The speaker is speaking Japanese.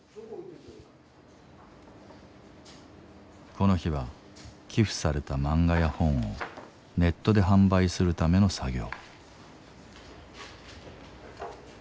この日は寄付された漫画や本をネットで販売するための作業。